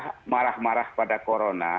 jika kita usah marah marah pada corona